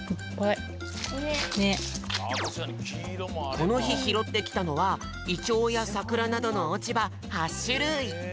このひひろってきたのはイチョウやさくらなどのおちば８しゅるい！